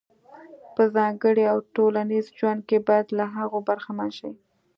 په ځانګړي او ټولنیز ژوند کې باید له هغو برخمن شي.